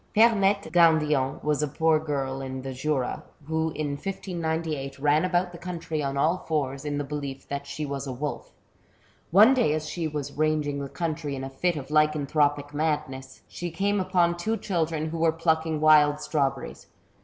Pemette Gandillon was a poor girl in the Jura, who in 1598 ran about the country on all fours, in the belief that she was a wolf. One day as she was ranging the country in a fit of lycanthropic madness, she came upon two children who were plucking wild strawberries.